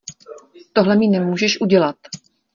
Tohle mi nemůžeš udělat.